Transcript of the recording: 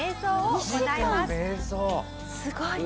「すごい。